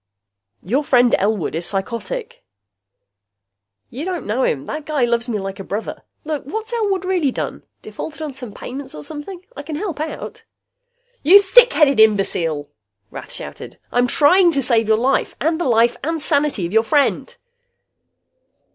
"Your friend Elwood is psychotic." "You don't know him. That guy loves me like a brother. Look, what's Elwood really done? Defaulted on some payments or something? I can help out." "You thickheaded imbecile!" Rath shouted. "I'm trying to save your life, and the life and sanity of your friend!"